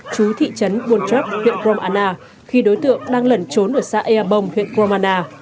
chú thị trấn buôn chấp huyện cơ đông an na khi đối tượng đang lẩn trốn ở xã ea bồng huyện cơ đông an na